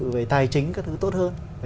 về tài chính các thứ tốt hơn